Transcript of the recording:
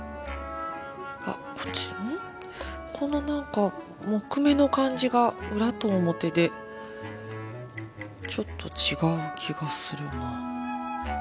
この何か木目の感じが裏と表でちょっと違う気がするな。